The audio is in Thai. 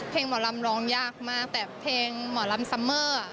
หมอลำร้องยากมากแต่เพลงหมอลำซัมเมอร์